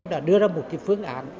đã đưa ra một cái phương án